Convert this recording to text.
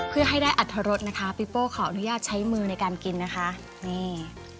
เพื่อให้ได้อัตรรสนะคะปีโป้ขออนุญาตใช้มือในการกินนะคะนี่